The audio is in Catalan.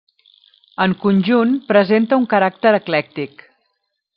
En conjunt presenta un caràcter eclèctic.